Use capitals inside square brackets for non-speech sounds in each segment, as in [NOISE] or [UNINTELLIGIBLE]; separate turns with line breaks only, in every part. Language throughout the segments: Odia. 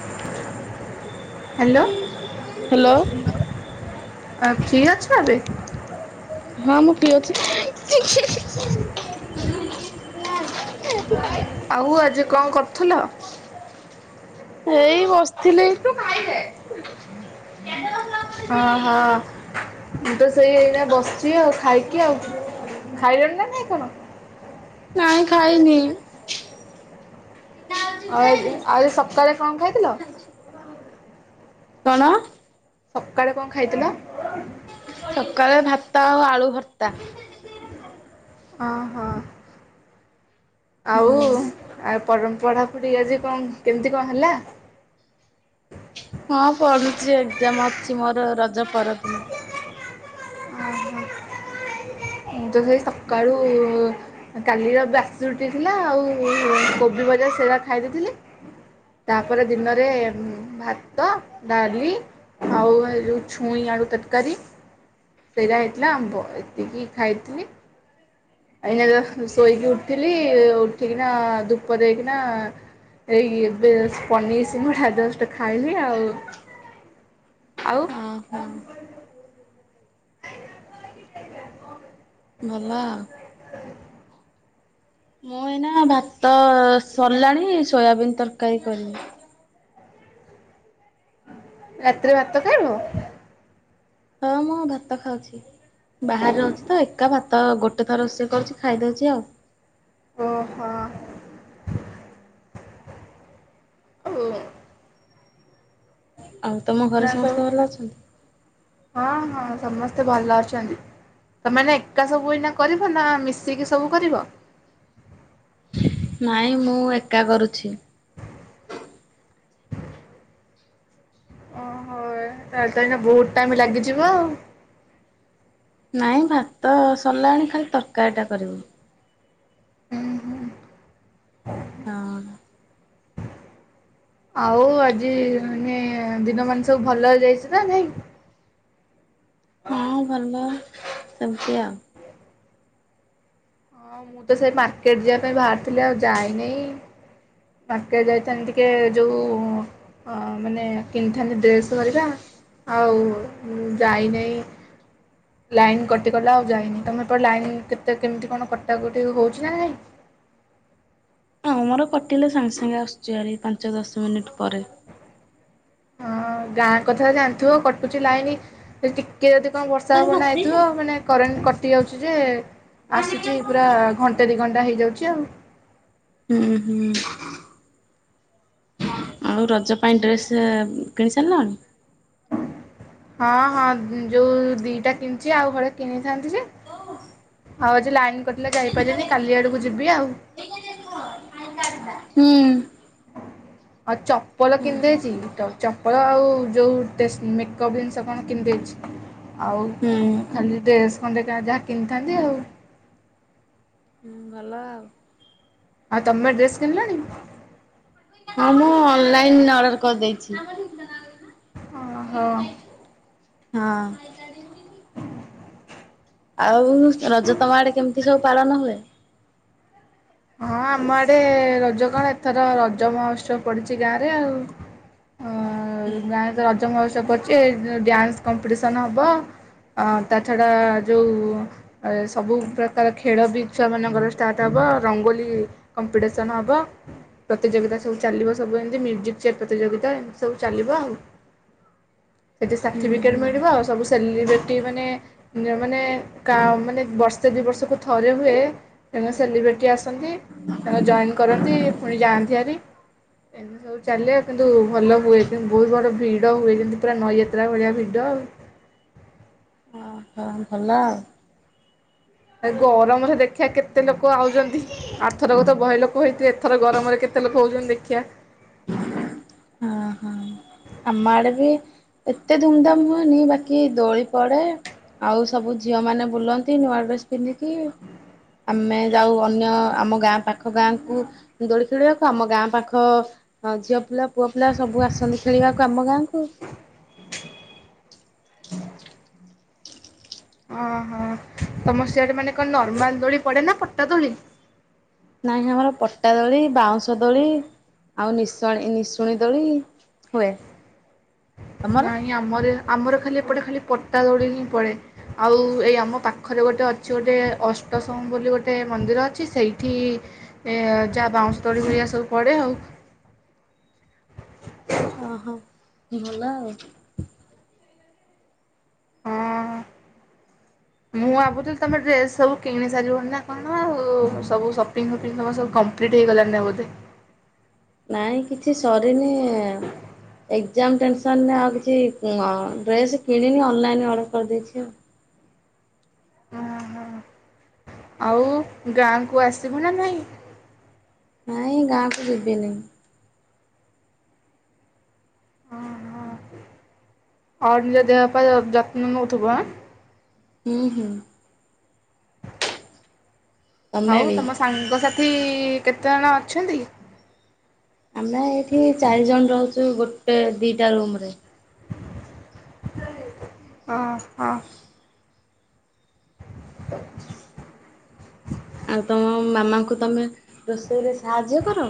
[INAUDIBLE]
ହାଲୋ
ହ୍ୟାଲୋ
ଫ୍ରି ଅଛ ଏବେ?
ହଁ ମୁଁ ଫ୍ରି ଅଛି।
[INAUDIBLE]
[UNINTELLIGIBLE]
ଆଉ ଆଜି କଣ କରୁଥିଲ?
ଏଇ ବସିଥିଲି।
ଓ ହୋ। ମୁଁ ତ ସେଇ ଏଇନା ବସିଚି ଆଉ ଖାଇକି ଆଉ ଖାଇଲେଣି ନା ନାଇଁ କଣ?
ନାଇଁ ଖାଇନି।
ଆ ଆଜି ସକାଳେ କଣ ଖାଇଥିଲ?
କଣ?
ସକାଳେ କଣ ଖାଇଥିଲ?
ସକାଳେ ଭାତ ଆଉ ଆଳୁ ଭତ୍ତା।
ଓ ହୋ ଆଉ
ହୁଁ
ଆଉ ପର--ପଢ଼ାପଢ଼ି ଆଜି କଣ କେମିତି କଣ ହେଲା?
ହଁ ପଢୁଛି ଏକ୍ଜାମ ଅଛି ମୋର ରଜ ପରଦିନ।
ଓହୋ, ମୁଁ ତ ସେଇ ସକାଳୁ କାଲିର ବାସି ରୁଟି ଥିଲା ଆଉ କୋବି ଭଜା ସେଗୁଡା ଖାଇ ଦେଇଥିଲି ତାପରେ ଦିନରେ ଭାତ, ଡାଲି ଆଉ ଏ ଯୋଉ ଛୁଇଁ ଆଳୁ ତରକାରୀ ସେଇଟା ହେଇଥିଲା ଆମ୍ବ ଏତିକି ଖାଇଥିଲି। ଏଇନା ଜଷ୍ଟ ଶୋଇକି ଉଠିଲି, ଉଠିକିନା ଧୂପ ଦେଇକିନା ଏଇ ଏବେ ଜଷ୍ଟ ପନିର୍ ସିଙ୍ଗଡା ଜଷ୍ଟ ଖାଇଲି ଆଉ ଆଉ?
ଓ ହଁ, ହଁ।
[INAUDIBLE]
ଭଲ ଆଉ।
[INAUDIBLE]
ମୁଁ ଏଇନା ଭାତ ସରିଲାଣି, ସୋୟାବିିନ ତରକାରୀ କରିବି।
ରାତିରେ ଭାତ ଖାଇବ?
ହଁ ମୁଁ ଭାତ ଖାଉଛି। ବାହାରେ ଅଛି ତ, ଏକା ଭାତ ଅ ଗୋଟେ ଥର ରୋଷେଇ କରୁଛି, ଖାଇଦଉଛି ଆଉ।
ଓହୋ। ଉଁ।
ଆଉ ତମ ଘରେ
ନା ସବୁ
ସମସ୍ତେ ଭଲ ଅଛନ୍ତି?
ହଁ, ହଁ, ସମସ୍ତେ ଭଲ ଅଛନ୍ତି। ତମେ ଏଇନା ଏକା ସବୁ ଏଇନା କରିବ ନା, ମିଶିକି ସବୁ କରିବ?
ନାଇଁ, ମୁଁ ଏକା କରୁଛି।
ଓହୋ, ଏକା ତାହେଲେ ତ ଏଇନା ବହୁତ ଟାଇମ ଲାଗିଯିବ ଆଉ।
ନାଇଁ, ଭାତ ସରିଲାଣି, ଖାଲି ତରକାରୀଟା କରିବି।
ଉଁ ହୁଁ।
ହଁ।
ଆଉ ଆଜି, ମାନେ ଦିନ ମାନ, ସବୁ ଭଲରେ ଯାଇଛି ନା ନାହିଁ? [INAUDIBLE]
[UNINTELLIGIBLE] ସେମିତି ଆଉ।
ହଁ, ମୁଁ ତ ସେଇ ମାର୍କେଟ ଯିବା ପାଇଁ ବାହାରିଥିଲି, ଆଉ ଯାଇନି। ମାର୍କେଟ ଯାଇଥାନ୍ତି ଟିକେ ଯୋଉ ଅଁ ମାନେ କିଣିଥାନ୍ତି ଡ୍ରେସ୍ ହରିକା। ଆଉ ଯାଇନାହିଁ। ଲାଇନ କଟିଗଲା, ଆଉ ଯାଇନି। ତମ ଏପଟେ ଲାଇନ କେତେ କେମିତି କଣ କଟାକଟି ହଉଛି ନା ନାହିଁ?
ହଁ, ଆମର କଟିଲେ ସାଙ୍ଗେ ସାଙ୍ଗେ ଆସୁଛି ହେରି, ପାଞ୍ଚ ଦଶ ମିନିଟ୍ ପରେ।
ହଁ, ଗାଁ କଥା ଜାଣିଥିବ, କଟୁଛି ଲାଇନ ଯଦି ଟିକେ ଯଦି କଣ ବର୍ଷା ପବନ ଆଇଥିବ, ମାନେ କରେଣ୍ଟ କଟି ଯାଉଛି ଯେ ଆସୁଛି, ପୁରା ଘଣ୍ଟେ ଦି ଘଣ୍ଟା ହେଇଯାଉଛି ଆଉ।
ଉଁ ହୁଁ। ଆଉ ରଜ ପାଇଁ ଡ୍ରେସ କିଣି ସାରିଲଣି?
ହଁ, ହଁ, ଯୋଉ ଦିଟା କିଣିଛି, ଆଉ ହଳେ କିଣିଥାନ୍ତି ଯେ, ଆଉ ଆଜି ଲାଇନ୍ କଟିଲା, ଯାଇ ପାରିଲିନି, କାଲି ଆଡ଼କୁ ଯିବି ଆଉ।
ହୁଁ।
ଆଉ ଚପଲ କିଣି ଦେଇଛି। [UNINTELLIGIBLE] ଚପଳ, ଆଉ ଯୋଉ ଟେସ୍ ମେକଅପ୍ ଜିନିଷ କଣ କିଣିଦେଇଛି। ଆଉ ଉଁ ଖାଲି ଡ୍ରେସ୍ ଖଣ୍ଡେକା ଯାହା କିଣିିଥାନ୍ତି ଆଉ।
ହୁଁ, ଭଲ ଆଉ।
ଆଉ ତମେ ଡ୍ରେସ୍ କିଣିଲଣି?
ହଁ, ମୁଁ ଅନଲାଇନ୍ ଅର୍ଡ଼ର କରିଦେଇଛି।
ଓହୋ।
ହଁ। ଆଉ ରଜ ତମ ଆଡେ କେମିତି ସବୁ ପାଳନ ହୁଏ?
ହଁ ଆମ ଆଡେ ରଜ କଣ ଏଥର ରଜ ମହୋତ୍ସବ ପଡିଛି ଗାଁ ରେ ଆଉ ଗାଁ ରେ ତ ରଜ ମହୋତ୍ସବ ପଡିଛି ଡ୍ୟାନ୍ସ କମ୍ପିଟିସନ୍ ହବ ଅ ତା ଛଡ଼ା ଯୋଉ ଆ ସବୁ ପ୍ରକାର ଖେଳ ବି ଛୁଆ ମାନଙ୍କର ଷ୍ଟାର୍ଟ ହବ ଆ ରଙ୍ଗୋଲି କମ୍ପିଟିସନ୍ ହବ ପ୍ରତିଯୋଗିତା ସବୁ ଚାଲିବ ସବୁ ଏମିତି ମ୍ୟୁଜିକ୍ ଚେୟାର ପ୍ରତିଯୋଗିତା ଏମିତି ସବୁ ଚାଲିବ ଆଉ ସେଠି
ହୁଁ
ସାର୍ଟିଫିକେଟ
ହୁଁ।
ମିଳିବ ଆଉ ସବୁ ସେଲିବ୍ରିଟି ମାନେ ମାନେ ମାନେ ବର୍ଷେ ଦୁଇ ବର୍ଷକୁ ଥରେ ହୁଏ ତାଙ୍କ ସେଲିବ୍ରିଟି ଆସନ୍ତି ତାଙ୍କ ଜଏନ୍ କରନ୍ତି ପୁଣି ଯାଆନ୍ତି ହେରି ଏମିତି ସବୁ ସୁ ଚାଲେ କିନ୍ତୁ ଭଲ ହୁଏ କିନ୍ତୁ ବହୁତ ବଡ଼ ଭିଡ଼ ହୁଏ ଯେମିତି ପୁରା ନଈଯାତ୍ରା ଭଳିଆ ଭିଡ଼ ଆଉ
ଓହୋ ଭଲ ଆଉ
ଏ ଗରମରେ ଦେଖିବା କେତେ ଲୋକ ଆଉଛନ୍ତି ଆରଥରକ ତ ବହେ ଲୋକ ହେଇଥିବେ ଏଥରକ ଗରମରେ କେତେ ଲୋକ ହଉଛନ୍ତି ଦେଖିବା?
ହଁ ହଁ ଆମ ଆଡେ ବି ଏତେ ଧୁମଧାମ ହୁଏନି ବାକି ଦୋଳି ପଡେ ଆଉ ସବୁ ଝିଅମାନେ ବୁଲନ୍ତି ନୂଆ ଡ୍ରେସ୍ ପିନ୍ଧିକି ଆମେ ଯାଉ ଅନ୍ୟ ଆମ ଗାଁ ପାଖ ଗାଁକୁ ଦୋଳି ଖେଳିବାକୁ ଆମ ଗାଁ ପାଖ ଝିଅ ପିଲା ପୁଅ ପିଲା ସବୁ ଆସନ୍ତି ଖେଳିବାକୁ ଆମ ଗାଁକୁ
ଓହୋ ତମର ସିଆଡେ ମାନେ କଣ ନର୍ମାଲ ଦୋଳି ପଡେ ନା ପଟା ଦୋଳି?
ନହିଁ ଆମର ପଟା ଦୋଳି ବାଉଁଶ ଦୋଳି ଆଉ ନିଶଣି ନିଶୁଣି ଦୋଳି ହୁଏ। ତମର?
ନାଇଁ ଆମର ଆମର ଖାଲି ଏପଟେ ଖାଲି ପଟା ଦୋଳି ହିଁ ପଡେ ଆଉ ଏଇ ଆମ ପାଖରେ ଗୋଟେ ଅଛି ଗୋଟେ ଅଷ୍ଟସମ୍ଭୁ ବୋଲି ଗୋଟେ ମନ୍ଦିର ଅଛି ସେଇଠି ଏ ଯାହା ବାଉଁଶ ଦୋଳି ହରିକା ସବୁ ପଡେ ଆଉ
ଓହୋ ଭଲ ଆଉ
ହଁ। ମୁଁ ଭାବୁଥିଲି ତମେ ଡ୍ରେସ୍ ସବୁ କିଣି ସାରିବନି ନା କଣ ଆଉ ସବୁ ସପିଙ୍ଗ ଫପିଙ୍ଗ ତୁମେ ସବୁ କ ପ୍ରିଟ ହେଇଗଲା ନା ବୋଧେ?
ନାଇଁ କିଛି ସରିନି ଏକ୍ଜାମ ଟେନସନ ରେ ଆଉ କିଛି ଡ୍ରେସ୍ କିଣିନି ଅନଲାଇନ୍ ଅର୍ଡ଼ର କରିଦେଇଛି ଆଉ
ଓହୋ ଆଉ ଗାଁକୁ ଆସିବୁ ନା ନାଇଁ?
ନାଇଁ ଗାଁ କୁ ଯିବିନି।
ହଁ ହ ନିଜ ଦେହ ପା ଯତ୍ନ ନଉଥୁବୁ ଆ?
ହୁଁ ହୁଁ। ତମେ
ଆଉ
ବି
ତମ ସାଙ୍ଗସାଥି କେତେଜଣ ଅଛନ୍ତି?
ଆମେ ଏଇଠି ଚାରି ଜଣ ରହୁଛୁ ଗୋଟେ ଦିଟା ରୁମ ରେ
ଓହୋ। [UNINTELLIGIBLE]
ଆଉ ତମ ମାମାଙ୍କୁ ତମେ ରୋଷେଇରେ ସାହାଯ୍ୟ କର?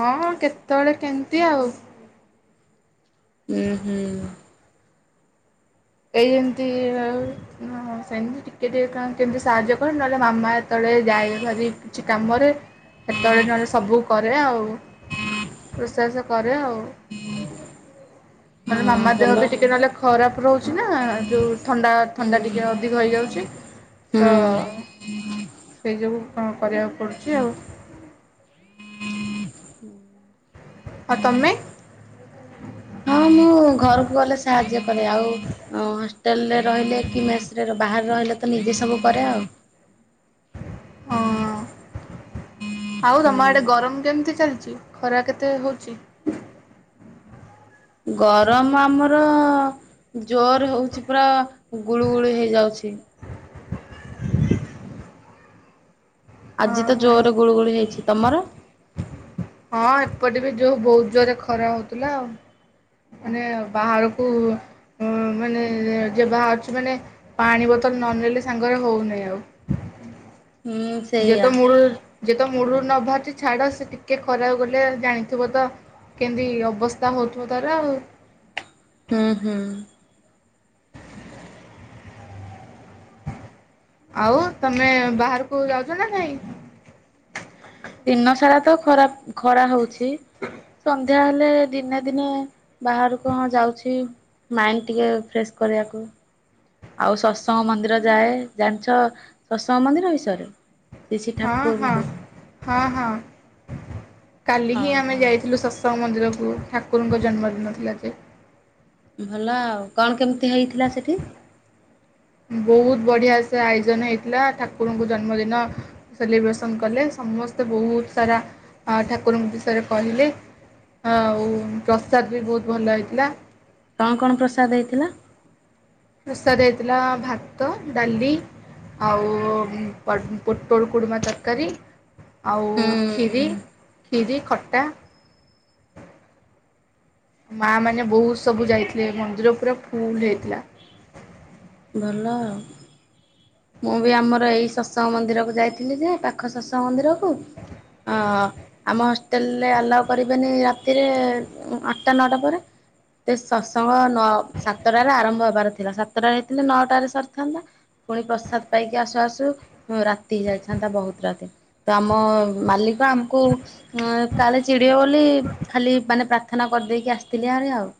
ହଁ କେତେବେଳେ କେମିତି ଆଉ
ହୁଁ ହୁଁ।
ଏଇ ଯେମିତି ଟିକେ ଟିକେ କଣ କେମିତି ସାହାଯ୍ୟ କରେ ନହେଲେ ମାମା ଯେତେବେଳେ ଯାଏ ଭାରି କିଛି କାମରେ ସେତେବେଳେ ନହେଲେ ସବୁ କରେ ଆଉ ରୋଷେଇବାସ କରେ ଆଉ। ନହେଲେ ମାମା
ହଁ
ଦେହ
ଭଲ
ବି ଟିକେ ନହେଲେ ଖରାପ ରହୁଛି ନା ଯୋଉ ଥଣ୍ଡା
ହୁଁ
ଥଣ୍ଡା ଟିକେ ଅଧିକ ହେଇଯାଉଛି। ତ
ହୁଁ।
ସେଇ ଯୋଗୁ କଣ କରିବାକୁ ପଡ଼ୁଛି ଆଉ। ହଁ ତମେ?
ହଁ ଘରକୁ ଗଲେ ସାହାଯ୍ୟ କରେ ଆଉ ଓ ହଷ୍ଟେଲରେ ରହିଲେ କି ମେସରେ ବାହାରେ ରହିଲେ ତ ନିଜେ ସବୁ କରେ ଆଉ।
ହଁ। ଆଉ ତମ
ହୁଁ
ଆଡେ ଗରମ କେମିତି ଚାଲିଛି? ଖରା କେତେ ହେଉଛି?
ଗରମ ଆମର ଜୋର ହେଉଛି ପୁରା ଗୁଳୁ ଗୁଳୁ ହେଇଯାଉଛି।
ହଁ
ଆଜି ତ
ହଁ
ଜୋରରେ ଗୁଳୁଗୁଳି ହେଇଛି। ତମର?
ହଁ ଏପଟେ ବି ଯୋଉ ବହୁତ ଜୋରରେ ଖରା ହଉଥିଲା ଆଉ ମାନେ ବାହାରକୁ ମାନେ ଯ ବାହାରୁଛି ମାନେ ପାଣି ବୋତଲ ନ ନେଲେ ସାଙ୍ଗରେ ହଉ ନାହିଁ ଆଉ।
ହୁଁ
ଯିଏ ତ
ସେଇଆ।
ମୂଳରୁ ଯିଏ ତ ମୂଳରୁ ନ ବାହାରିଛି ଛାଡ ସେ ଟିକେ ଖରା କୁ ଗଲେ ଜାଣିଥିବ ତ କେମିତି ଅବସ୍ଥା ହେଉଥିବ ତାରା ଆଉ।
ହୁଁ ହୁଁ।
ଆଉ ତମେ ବାହାରକୁ ଯାଉଛ ନା ନାଇଁ?
ଦିନ ସାରା ତ ଖରା ଖରା ହଉଛି। ସନ୍ଧ୍ୟା ସନ୍ଧ୍ୟା ହେଲେ ଦିନେ ଦିନେ ବାହାର କୁ ହଁ ଯାଉଛି। ମାଇଣ୍ଡ ଟିକେ ଫ୍ରେଶ କରିବାକୁ। ଆଉ ସତସଙ୍ଗ ମନ୍ଦିର ଯାଏ। ଜାଣିଛ ସତସଙ୍ଗ ମନ୍ଦିର ବିଷୟରେ? ଶ୍ରୀ ଶ୍ରୀ
ହଁ ହଁ
ଠାକୁରଙ୍କୁ
ହଁ ହଁ କାଲି ହିଁ ଆମେ
ଓହୋ
ଯାଇଥିଲୁ ସତ୍ ସଙ୍ଗ ମନ୍ଦିରକୁ। ଠାକୁରଙ୍କ ଜନ୍ମଦିନ ଥିଲା ଯେ।
ଭଲ ଆଉ କଣ କେମିତି ହେଇଥିଲା ସେଠି?
ବହୁତ ବଢିଆ ସେ ଆୟୋଜନ ହେଇଥିଲା ଠାକୁରଙ୍କୁ ଜନ୍ମଦିନ। ସେଲିବ୍ରେସନ କଲେ ସମସ୍ତେ ବହୁତ ସାରା ଠାକୁରଙ୍କ ବିଷୟରେ କହିଲେ। ହଁ ଆଉ ପ୍ରସାଦ ବି ବହୁତ ଭଲ ହେଇଥିଲା।
କଣ କଣ ପ୍ରସାଦ ହେଇଥିଲା?
ପ୍ରସାଦ ହେଇଥିଲା ଭାତ, ଡାଲି ଆଉ ପୋଟୋଳ କୁଡ଼ମା ତରକାରୀ, ଆଉ
ହୁଁ
କ୍ଷୀରି କ୍ଷୀରି ଖଟା ମା ମାନେ ବହୁତ ସବୁ ଯାଇଥିଲେ ମନ୍ଦିର ପୁରା ଫୁଲ ହେଇଥିଲା।
ଭଲ ଆଉ। ମୁଁ ବି ଆମର ଏଇ ସତସଙ୍ଗ ମନ୍ଦିରକୁ ଯାଇଥିଲି ଯେ ପାଖ ସତସଙ୍ଗ ମନ୍ଦିର। ହ ଆମ ହଷ୍ଟେଲରେ ଆଲାଉ କରିବେନି ରାତିରେ ଆଠଟା ନଅଟା ପରେ। ତ ସତସଙ୍ଗ ନଅ ସାତଟାରେ ଆରମ୍ଭ ହେବାର ଥିଲା ସାତଟାରେ ହେଇଥିଲେ ନଅଟାରେ ସରିଥାନ୍ତା ପୁଣି ପ୍ରସାଦ ପାଇକି ଆସୁ ଆସୁ ରାତି ହେଇ ଯାଇଥାନ୍ତା ବହୁତ ରାତି। ତ ଆମ ମାଲିକ ଆମକୁ ହ କାଳେ ଚିଡ଼ିିବ ବୋଲି ଖାଲି ମାନେ ପ୍ରାର୍ଥନା କରିଦେଇକି ଆସିଥିଲି ଆରେ ଆଉ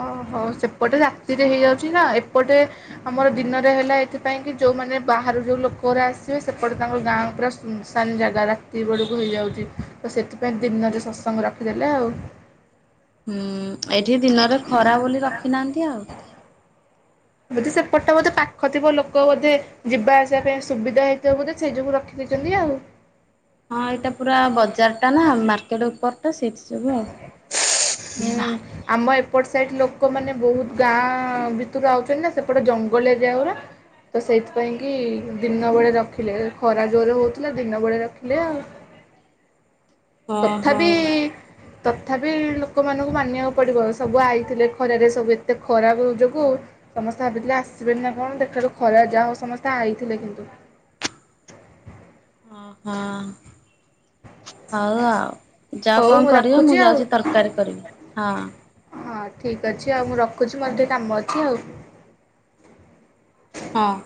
ଓହୋ ସେପଟେ ରାତିରେ ହେଇଯାଉଛି ନା ଏପଟେ ଆମର ଦିନରେ ହେଲା ଏଥିପାଇଁ କି ଯୋଉମାନେ ବାହାରୁ ଯୋଉ ଲୋକଗରା ଆସିବେ ସେପଟେ ତାଙ୍କ ଗାଁ ପୁରା ସାନ ଜାଗା ରାତି ବଳକୁ ହେଇଯାଉଛି ତ ସେଥିପାଇଁ ଦିନ ରେ ଶତ୍ସଙ୍ଗ ରଖିଦେଲେ ଆଉ।
ହୁଁ ଏଇଠି ଦିନରେ ଖରା ବୋଲି ରଖିନାହାନ୍ତି ଆଉ।
ବୋଧେ ସେପଟେ ବୋଧେ ପାଖ ଥିବ ଲୋକ ବୋଧେ ଯିବା ଆସିଆ ପାଇଁ ସୁବିଧା ହେଇଥିବ ବୋଧେ ସେଇ ଯୋଗୁ ରଖି ଛନ୍ତି ଆଉ।
ହଁ ଏଇଟା ପୁରା ବଜାର ଟା ନା ମାର୍କେଟ ଉପର। ତ ସେଥି ଯୋଗୁ ଆଉ।
ହୁଁ
[UNINTELLIGIBLE]
ଆମ ଏପଟ ସାଇଟ୍ ଲୋକମାନେ ବହୁତ୍ ଗାଁ ଭିତୁରୁ ଆଉଚନ୍ତି ନା ସେପଟେ ଜଙ୍ଗଲିଆ ଯା ଗୁରା। ତ ସେଇଥିପାଇଁ କି ଦିନ ବଳେ ରଖିଲେ ଏ ଖରା ଜୋରେ ହଉଥିଲା ଦିନ ବଳେ ରଖିଲେ ଆଉ।
ଓହୋ
ତଥାପି ତଥାପି ଲୋକମାନଙ୍କୁ ମାନିଆକୁ ପଡିବ ସବୁ ଆଇଥିଲେ ଖରାରେ ସବୁ ଏତେ ଖରା ବୁ ଯୋଗୁ। ସମସ୍ତେ ହାବିଥିଲେ ଆସିବେନି ନା କଣ ଦେଖିଲାବଳୁ ଖରା ଯାହା ହଉ ସମସ୍ତେ ଆଇଥିଲେ କିନ୍ତୁ।
ହଁ ହଁ। ହଉ ଆଉ ଯାଅ
ହଉ
କଣ କରିବ
ରଖୁଛି
ମୁଁ
ଆଉ।
ଯାଉଛି ତରକାରୀ କରିବି ହଁ।
ହଁ ଠିକ୍ ଅଛି ଆଉ ମୁଁ ରଖୁଛି ମୋର ଟି କାମ ଅଛି ଆଉ।
ହଁ।